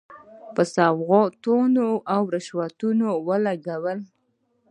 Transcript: په سوغاتونو او رشوتونو ولګولې.